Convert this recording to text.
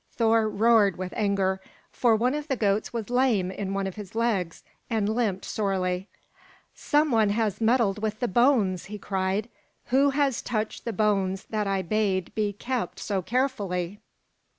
Thor roared with anger, for one of the goats was lame in one of his legs, and limped sorely. "Some one has meddled with the bones!" he cried. "Who has touched the bones that I bade be kept so carefully?"